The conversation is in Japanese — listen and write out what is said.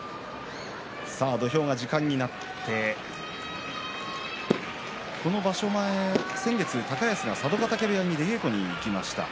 土俵が時間になってこの場所前、先月高安が佐渡ヶ嶽部屋に出稽古に行きました。